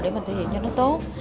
để mình thể hiện cho nó tốt